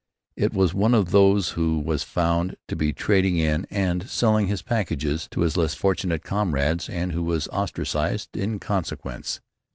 It was one of these who was found to be trading in and selling his packages to his less fortunate comrades and who was ostracized in consequence.